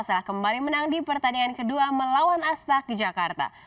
setelah kembali menang di pertandingan kedua melawan aspak di jakarta